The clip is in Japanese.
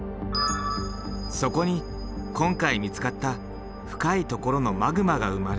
そこに今回見つかった深いところのマグマが生まれる。